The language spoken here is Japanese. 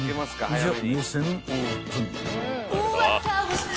［じゃあ目線オープン］